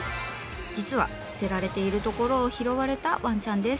実は捨てられているところを拾われたわんちゃんです。